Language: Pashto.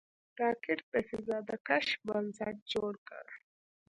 راکټ د فضا د کشف بنسټ جوړ کړ